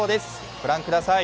ご覧ください。